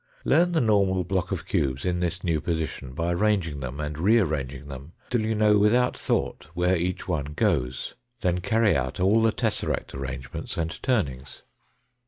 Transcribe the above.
Learn the normal block of cubes in this new position by arranging them and re arranging them till you know without thought where each, one goes. Then carry out all the tesseract arrangements and turnings.